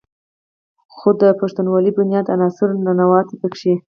خو د پښتونولۍ بنيادي عنصر "ننواتې" پکښې